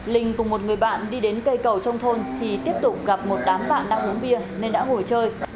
linh cùng một người bạn đi đến cây cầu trong thôn thì tiếp tục gặp một đám bạn đang uống bia nên đã ngồi chơi